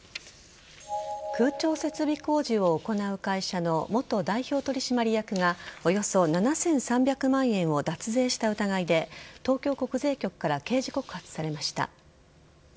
空調設備工事を行う会社の元代表取締役がおよそ７３００万円を脱税した疑いで東京国税局から刑事告発されました。